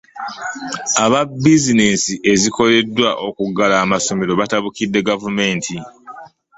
Aba bizinesi ezikoseddwa okuggala amasomera batabukidde gavumenti .